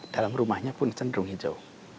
dalam rumahnya pun cenderung hijau